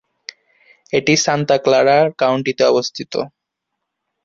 এটি Santa Clara কাউন্টিতে অবস্থিত।